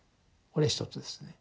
これ１つですね。